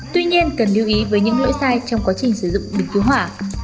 tuy nhiên cần lưu ý với những lỗi sai trong quá trình sử dụng bình cứu hỏa